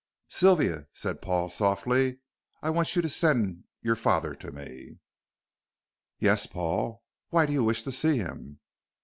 "Sylvia," said Paul, softly, "I want you to send your father to me." "Yes, Paul. Why do you wish to see him?"